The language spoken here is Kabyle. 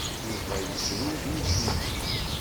Yuba yezrew d imsujji.